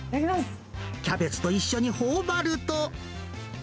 キャベツと一緒にほおばると。